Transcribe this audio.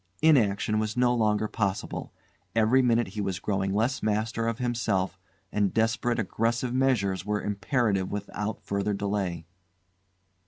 Inaction was no longer possible; every minute he was growing less master of himself, and desperate, aggressive measures were imperative without further delay.